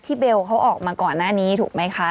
เบลเขาออกมาก่อนหน้านี้ถูกไหมคะ